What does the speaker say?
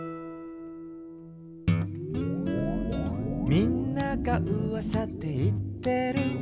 「みんながうわさでいってる」